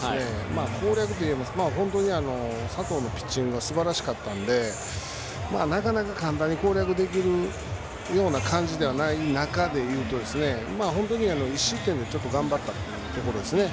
攻略といいますか本当に佐藤のピッチングがすばらしかったのでなかなか簡単に攻略できるような感じではない中で言うと本当に１失点で頑張ったというところですね。